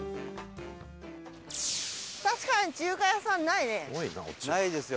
確かに中華屋さんないね。